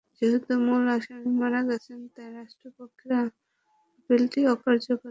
যেহেতু মূল আসামি মারা গেছেন, তাই রাষ্ট্রপক্ষের আপিলটি অকার্যকর হয়ে গেছে।